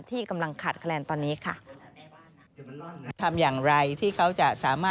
ที่กำลังขาดแคลนตอนนี้ค่ะ